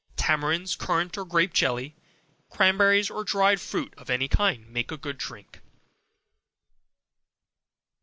Tamarinds, currant or grape jelly, cranberries, or dried fruit of any kind, make a good drink.